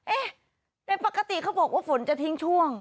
เอ๊ะในปกติเขาบอกว่าฝนจะทิ้งช่วง